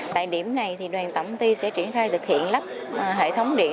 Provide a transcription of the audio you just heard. tại điểm này đoàn thanh niên tổng công ty điện lực tp hcm sẽ triển khai thực hiện lắp hệ thống điện